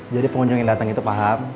jadi pengunjung yang dateng itu paham